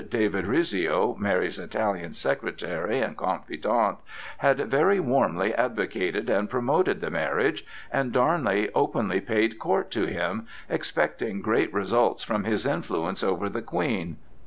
David Rizzio, Mary's Italian secretary and confidant, had very warmly advocated and promoted the marriage, and Darnley openly paid court to him, expecting great results from his influence over the Queen.